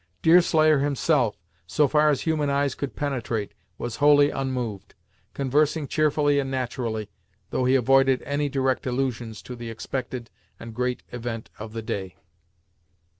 Deerslayer, himself, so far as human eyes could penetrate, was wholly unmoved, conversing cheerfully and naturally, though he avoided any direct allusions to the expected and great event of the day.